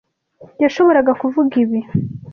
yashoboraga kuvuga ibi.